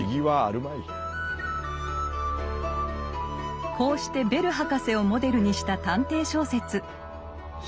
こうしてベル博士をモデルにした探偵小説「緋色の研究」を発表。